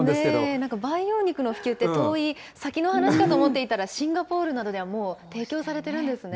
なんか培養肉の普及って、遠い先の話かと思っていたら、シンガポールなどではもう提供されてるんですね。